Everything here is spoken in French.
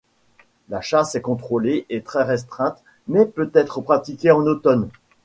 La chasse est contrôlée et très restreinte mais peut être pratiquée en automne.